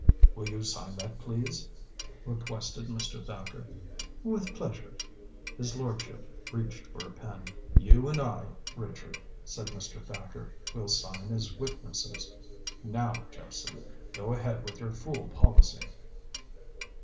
"Will you sign that, please?" requested Mr. Thacker. "With pleasure." His lordship reached for a pen. "You and I, Richard," said Mr. Thacker, "will sign as witnesses. Now, Jephson, go ahead with your fool policy."